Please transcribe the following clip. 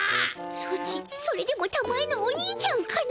ソチそれでもたまえのお兄ちゃんかの？